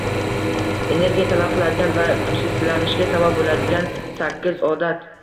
Energiya talab qiladigan va kuchsizlanishga sabab bo‘ladigansakkizodat